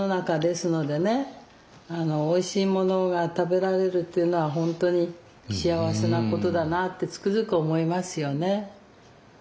おいしいものが食べられるっていうのはほんとに幸せなことだなってつくづく思いますよね。